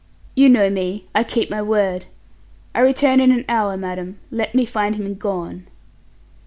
You know me. I keep my word. I return in an hour, madam; let me find him gone."